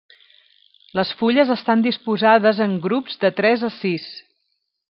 Les fulles estan disposades en grups de tres a sis.